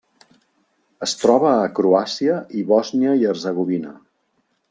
Es troba a Croàcia i Bòsnia i Hercegovina.